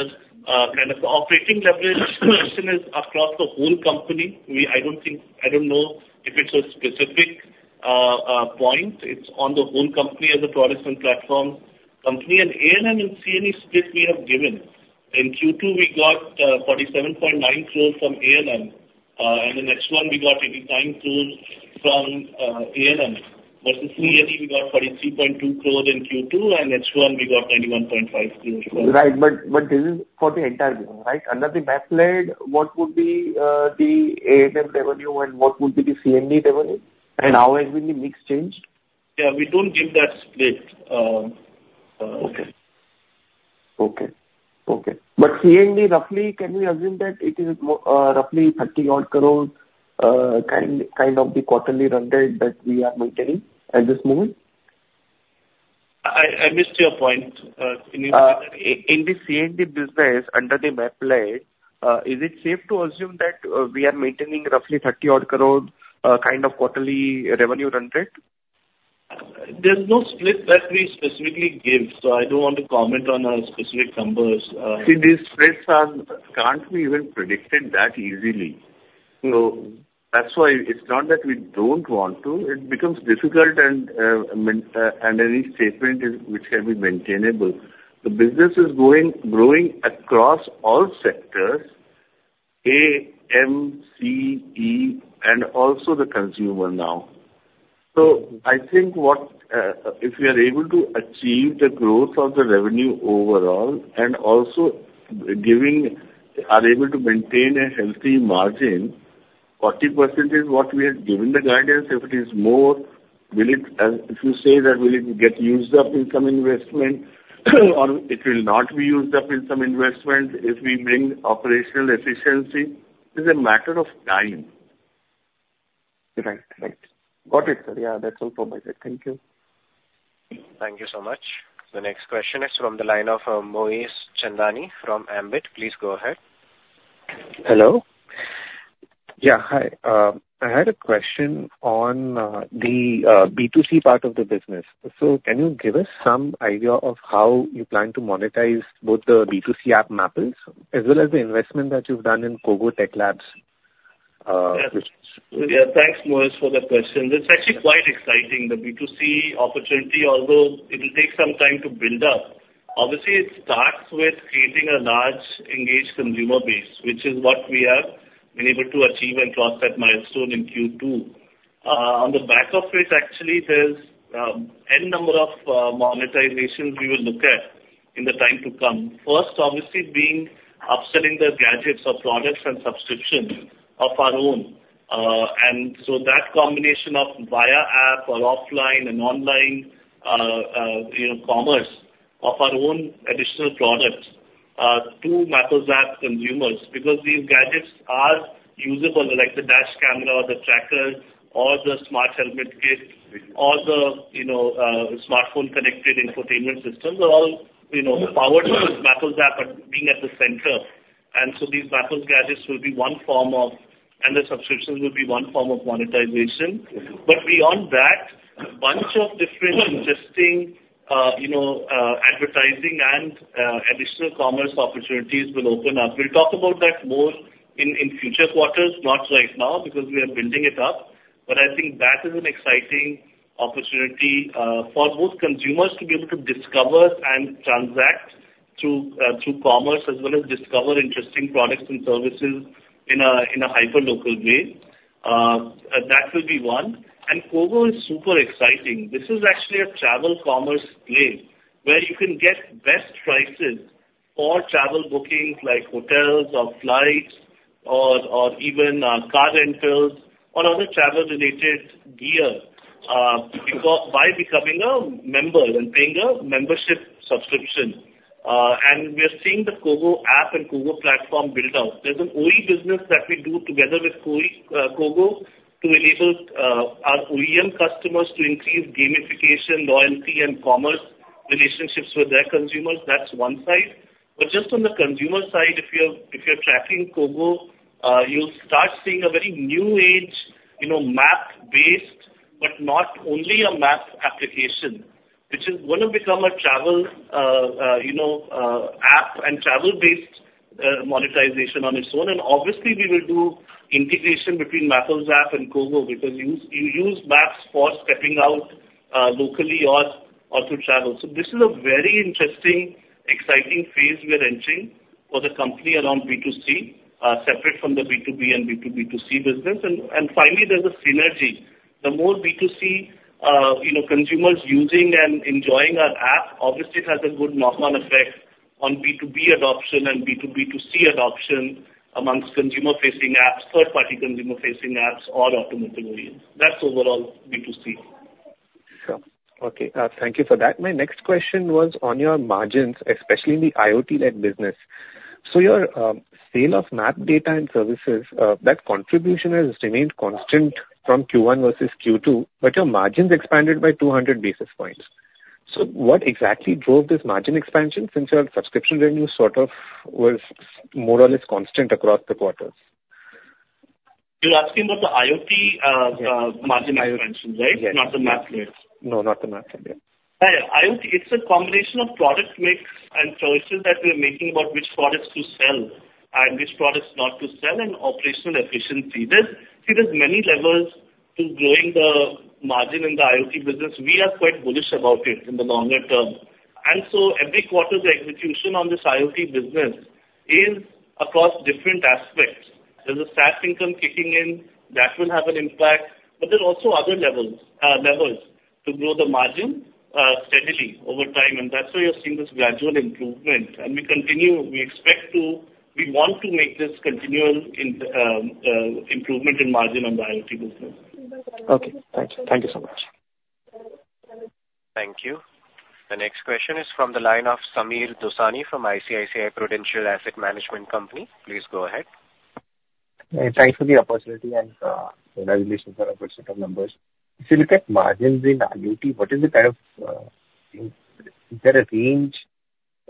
kind of operating leverage question is across the whole company. I don't think, I don't know if it's a specific point. It's on the whole company as a products and platform company. And A&M and C&E split we have given. In Q2, we got 47.9 crore from A&M. And the next one, we got 89 crore from A&M. Versus C&E, we got 43.2 crore in Q2, and H1, we got 91.5 crore. Right. But, but this is for the entire year, right? Under the Map-led, what would be the A&M revenue and what would be the C&E revenue, and how has been the mix changed? Yeah, we don't give that split. Okay. Okay, okay. But C&E, roughly, can we assume that it is roughly 30-odd crore, kind of the quarterly run rate that we are maintaining at this moment? I missed your point, can you- In the C&E business, under the Map-led, is it safe to assume that we are maintaining roughly 30-odd crore kind of quarterly revenue run rate? There's no split that we specifically give, so I don't want to comment on specific numbers- See, these splits can't be even predicted that easily. So that's why it's not that we don't want to, it becomes difficult, and any statement which can be maintainable. The business is going, growing across all sectors, A, M, C, E, and also the consumer now. So I think what, if we are able to achieve the growth of the revenue overall, and also giving... are able to maintain a healthy margin, 40% is what we have given the guidance. If it is more, will it, if you say that will it get used up in some investment, or it will not be used up in some investment, if we bring operational efficiency, it's a matter of time. Right. Right. Got it, sir. Yeah, that's all from my side. Thank you. Thank you so much. The next question is from the line of Moez Chandani from Ambit. Please go ahead. Hello. Yeah, hi. I had a question on the B2C part of the business. So can you give us some idea of how you plan to monetize both the B2C app, Map-led, as well as the investment that you've done in Kogo Tech Labs? Yes. Yeah, thanks, Moez, for that question. It's actually quite exciting, the B2C opportunity, although it will take some time to build up. Obviously, it starts with creating a large, engaged consumer base, which is what we have been able to achieve and cross that milestone in Q2. On the back of which actually there's, N number of, monetizations we will look at in the time to come. First, obviously, being upselling the gadgets or products and subscriptions of our own. And so that combination of via app or offline and online, you know, commerce of our own additional products, to Map-led app consumers, because these gadgets are usable, like the dash camera or the trackers or the smart helmet kit or the, you know, smartphone-connected infotainment systems are all, you know, powered by Map-led app, but being at the center. And so these Map-led gadgets will be one form of, and the subscriptions will be one form of monetization. But beyond that, a bunch of different interesting, you know, advertising and additional commerce opportunities will open up. We'll talk about that more in future quarters, not right now, because we are building it up. But I think that is an exciting opportunity for both consumers to be able to discover and transact through commerce, as well as discover interesting products and services in a hyperlocal way. That will be one. And Kogo is super exciting. This is actually a travel commerce play, where you can get best prices for travel bookings, like hotels or flights or even car rentals or other travel-related gear, by becoming a member and paying a membership subscription. And we are seeing the Kogo app and Kogo platform build out. There's an OE business that we do together with Kogo to enable our OEM customers to increase gamification, loyalty, and commerce relationships with their consumers. That's one side. But just on the consumer side, if you're, if you're tracking Kogo, you'll start seeing a very new age, you know, map-based, but not only a map application, which is gonna become a travel, you know, app and travel-based monetization on its own. And obviously, we will do integration between Mappls app and Kogo, because you use Maps for stepping out locally or to travel. So this is a very interesting, exciting phase we are entering for the company around B2C, separate from the B2B and B2B2C business. Finally, there's a synergy. The more B2C, you know, consumers using and enjoying our app, obviously it has a good knock-on effect on B2B adoption and B2B2C adoption amongst consumer-facing apps, third-party consumer-facing apps, or automotive OEMs. That's overall B2C. Sure. Okay, thank you for that. My next question was on your margins, especially in the IoT-led business. So your sale of map data and services, that contribution has remained constant from Q1 versus Q2, but your margins expanded by 200 basis points. So what exactly drove this margin expansion, since your subscription revenue sort of was more or less constant across the quarters? You're asking about the IoT, Yes margin expansion, right? Yes. Not the map mix. No, not the MapmyIndia. Yeah, yeah. IoT, it's a combination of product mix and choices that we are making about which products to sell and which products not to sell, and operational efficiency. There's. See, there's many levels to growing the margin in the IoT business. We are quite bullish about it in the longer term. And so every quarter, the execution on this IoT business is across different aspects. There's a SaaS income kicking in, that will have an impact, but there are also other levels to grow the margin steadily over time, and that's why you're seeing this gradual improvement. And we continue, we expect to. We want to make this continual improvement in margin on the IoT business. Okay, thanks. Thank you so much. Thank you. The next question is from the line of Sameer Dosani from ICICI Prudential Asset Management Company. Please go ahead. Thanks for the opportunity and congratulations on a good set of numbers. So if you look at margins in IoT, what is the kind of, is there a range,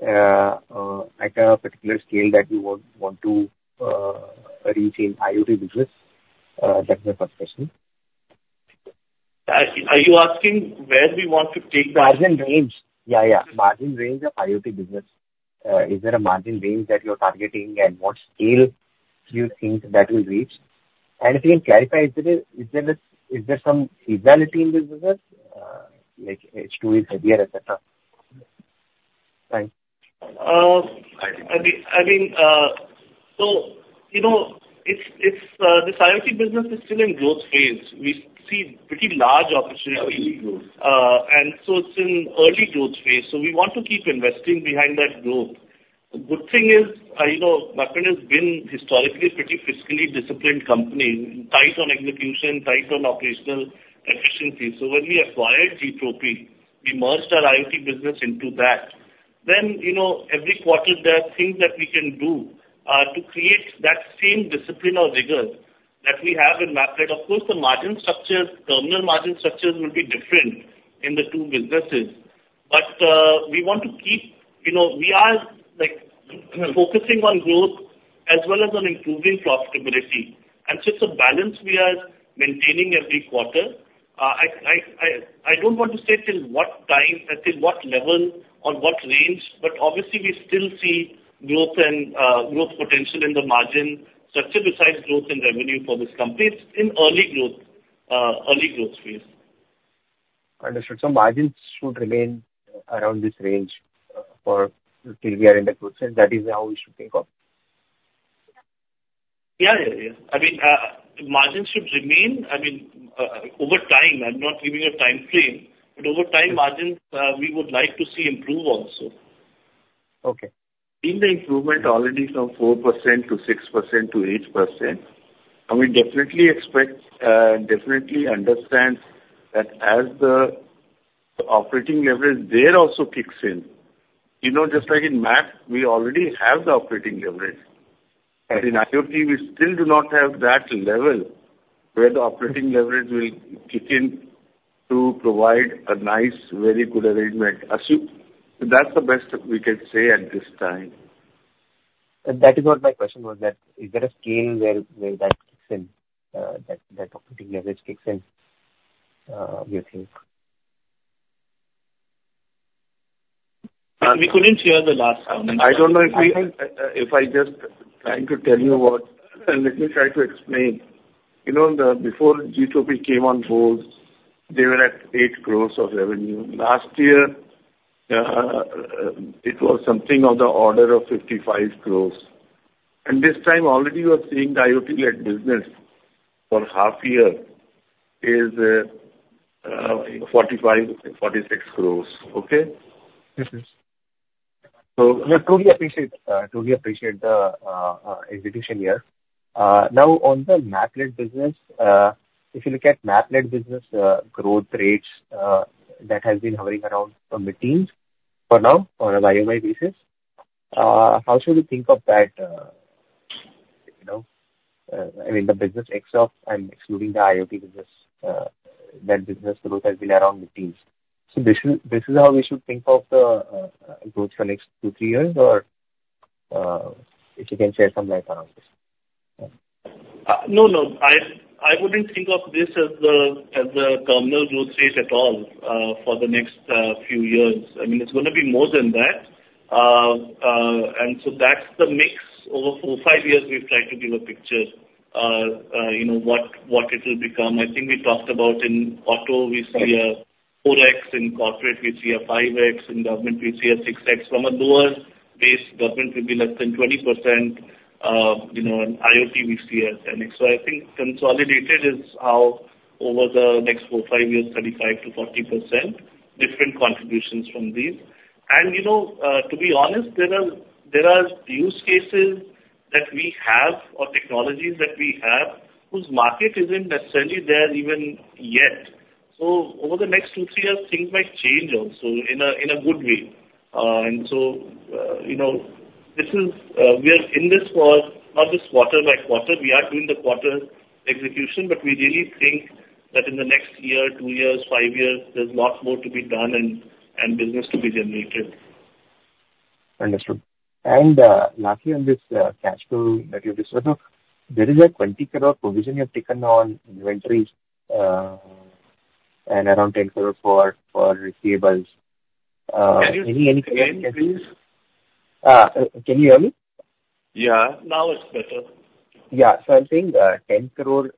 at a particular scale that you want, want to, reach in IoT business? That's my first question. Are you asking where we want to take the- Margin range. Yeah, yeah, margin range of IoT business. Is there a margin range that you're targeting, and what scale do you think that will reach? And if you can clarify, is there some seasonality in this business, like H2 is heavier, et cetera? Thanks. I mean, so, you know, it's this IoT business is still in growth phase. We see pretty large opportunity- Early growth. And so it's in early growth phase, so we want to keep investing behind that growth. The good thing is, you know, MapmyIndia has been historically a pretty fiscally disciplined company, tight on execution, tight on operational efficiency. So when we acquired Gtropy, we merged our IoT business into that. Then, you know, every quarter there are things that we can do to create that same discipline or rigor that we have in MapmyIndia. Of course, the margin structures, terminal margin structures, will be different in the two businesses. But we want to keep... You know, we are, like, focusing on growth as well as on improving profitability, and so it's a balance we are maintaining every quarter. I don't want to say till what time, until what level or what range, but obviously we still see growth and growth potential in the margin structure, besides growth in revenue for this company. It's in early growth, early growth phase. Understood. So margins should remain around this range, for till we are in the growth stage, that is how we should think of? Yeah, yeah, yeah. I mean, margins should remain, I mean, over time, I'm not giving a timeframe, but over time, margins, we would like to see improve also. Okay. See the improvement already from 4% to 6% to 8%. We definitely expect, definitely understand that as the operating leverage there also kicks in. You know, just like in Map, we already have the operating leverage. But in IoT, we still do not have that level, where the operating leverage will kick in to provide a nice, very good arrangement. That's the best that we can say at this time. That is what my question was, that is there a scale where that kicks in, that operating leverage kicks in, you think? We couldn't hear the last one. I don't know if we, if I just trying to tell you what. Let me try to explain. You know, the before Gtropy came on board, they were at 8 crore of revenue. Last year, it was something of the order of 55 crore. And this time already you are seeing the IoT-led business for half year is, 45 crore-46 crore. Okay? Yes, yes. So we totally appreciate, totally appreciate the execution here. Now, on the Map-led business, if you look at Map-led business growth rates, that has been hovering around mid-teens for now, on a YoY basis, how should we think of that? You know, I mean, the business except and excluding the IoT business, that business growth has been around mid-teens. So this is, this is how we should think of the growth for next two, three years, or if you can shed some light around this. No, no, I, I wouldn't think of this as the, as the terminal growth stage at all, for the next, few years. I mean, it's going to be more than that. And so that's the mix. Over four to five years, we've tried to give a picture, you know, what, what it will become. I think we talked about in auto, we see a 4x, in corporate we see a 5x, in government we see a 6x. From a lower base, government will be less than 20%. You know, in IoT we see a 10x. So I think consolidated is how over the next four to five years, 35%-40% different contributions from these. You know, to be honest, there are, there are use cases that we have or technologies that we have, whose market isn't necessarily there even yet. So over the next two, three years, things might change also in a good way. So, you know, this is... We are in this for not just quarter by quarter. We are doing the quarter execution, but we really think that in the next year, two years, five years, there's lots more to be done and business to be generated. Understood. And, lastly, on this, cash flow that you discussed, there is a 20 crore provision you have taken on inventories, and around 10 crore for, for receivables. Any, any- Can you hear please? Can you hear me? Yeah, now it's better. Yeah. So I'm saying, 10 crore,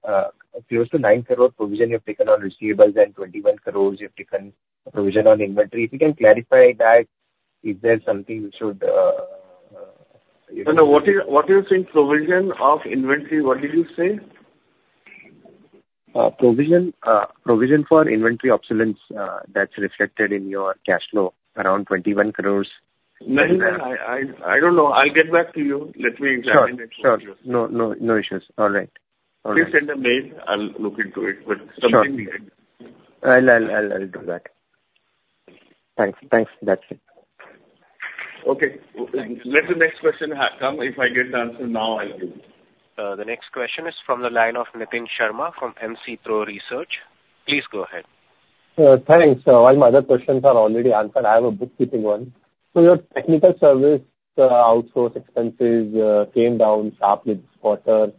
close to 9 crore provision you've taken on receivables and 21 crore, you've taken a provision on inventory. If you can clarify that, if there's something we should, you know- No, no. What you, what you think provision of inventory, what did you say? Provision for inventory obsolescence, that's reflected in your cash flow, around 21 crore. No, no, I don't know. I'll get back to you. Let me examine it. Sure, sure. No, no, no issues. All right. All right. Please send a mail. I'll look into it, but- Sure. Something we can- I'll do that. Thanks. Thanks. That's it. Okay. Thanks. Let the next question come. If I get the answer now, I'll give. The next question is from the line of Nitin Sharma from MC Pro Research. Please go ahead. Thanks. All my other questions are already answered. I have a bookkeeping one. So your technical service outsource expenses came down sharply this quarter.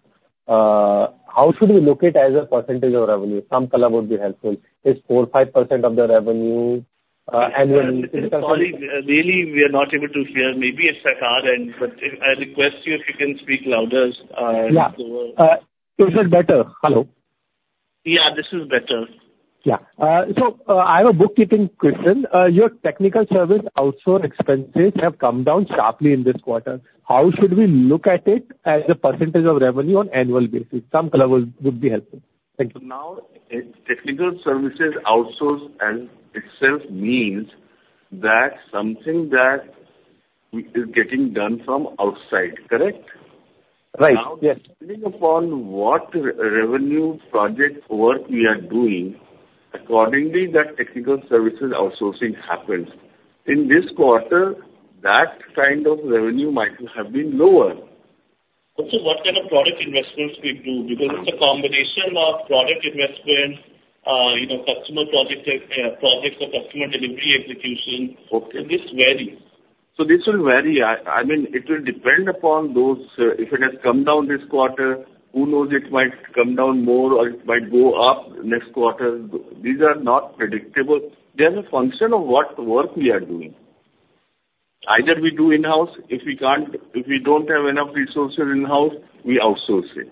How should we look it as a percentage of revenue? Some color would be helpful. Is 4%, 5% of the revenue, and when- Sorry, really, we are not able to hear. Maybe it's our end, but I request you if you can speak louder, so- Yeah. Is it better? Hello. Yeah, this is better. Yeah. So, I have a bookkeeping question. Your technical service outsource expenses have come down sharply in this quarter. How should we look at it as a percentage of revenue on annual basis? Some color would be helpful. Thank you. Now, technical services outsourcing itself means that something that is getting done from outside, correct? Right. Yes. Depending upon what revenue project work we are doing, accordingly, that technical services outsourcing happens. In this quarter, that kind of revenue might have been lower. Also, what kind of product investments we do? Because it's a combination of product investment, you know, customer project, projects or customer delivery execution. Okay. This varies. So this will vary. I mean, it will depend upon those, if it has come down this quarter, who knows, it might come down more or it might go up next quarter. These are not predictable. They are a function of what work we are doing. Either we do in-house, if we can't, if we don't have enough resources in-house, we outsource it.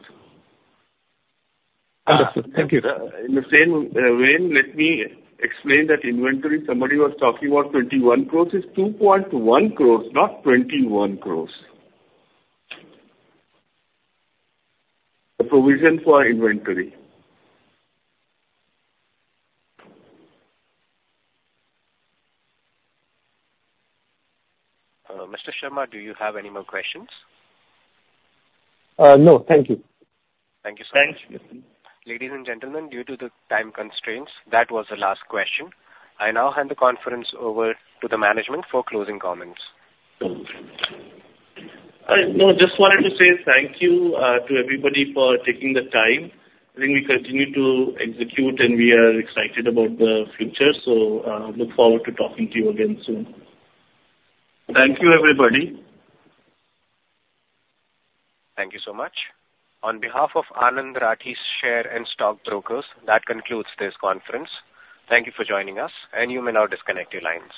Understood. Thank you. In the same way, let me explain that inventory. Somebody was talking about 21 crore. It's 2.1 crore, not 21 crore. The provision for inventory. Mr. Sharma, do you have any more questions? No. Thank you. Thank you so much. Thank you. Ladies and gentlemen, due to the time constraints, that was the last question. I now hand the conference over to the management for closing comments. No, just wanted to say thank you to everybody for taking the time. I think we continue to execute, and we are excited about the future. So, look forward to talking to you again soon. Thank you, everybody. Thank you so much. On behalf of Anand Rathi Share and Stock Brokers, that concludes this conference. Thank you for joining us, and you may now disconnect your lines.